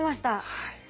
はい。